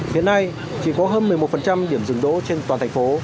hiện nay chỉ có hơn một mươi một điểm dừng đỗ trên toàn thành phố